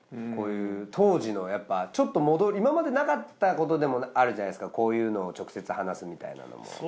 こういう当時のやっぱちょっと今までなかったことでもあるじゃないですかこういうのを直接話すみたいなのも。